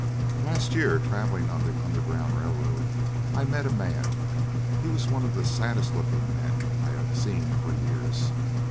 LAST year, travelling on the Underground Railway, I met a man; he was one of the saddest looking men I had seen for years.